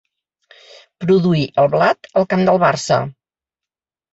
Produir, el blat, al camp del Barça.